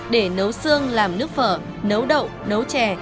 để nấu xương làm nước phở nấu đậu nấu chè